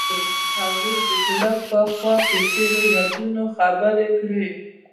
هغوی د زړه په خوا کې تیرو یادونو خبرې کړې.